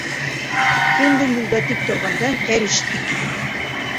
Кемдең юлда тик торғандан әр ишеткеһе килһен...